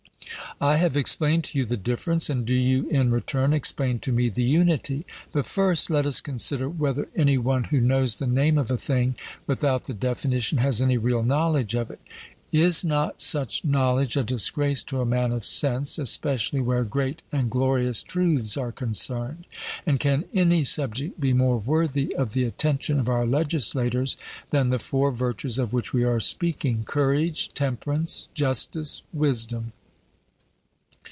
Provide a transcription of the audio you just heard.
I have explained to you the difference, and do you in return explain to me the unity. But first let us consider whether any one who knows the name of a thing without the definition has any real knowledge of it. Is not such knowledge a disgrace to a man of sense, especially where great and glorious truths are concerned? and can any subject be more worthy of the attention of our legislators than the four virtues of which we are speaking courage, temperance, justice, wisdom?